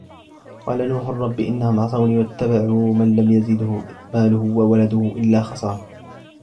قَالَ نُوحٌ رَبِّ إِنَّهُمْ عَصَوْنِي وَاتَّبَعُوا مَنْ لَمْ يَزِدْهُ مَالُهُ وَوَلَدُهُ إِلَّا خَسَارًا